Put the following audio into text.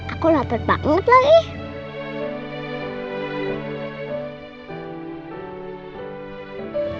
aku lapet banget lah ih